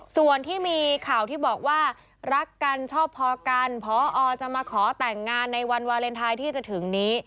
ส่วนที่มีข่าวที่บอกว่ารักกันชอบพอกันพอจะมาขอแต่งงานในวันวาเลนไทยที่จะถึงนี้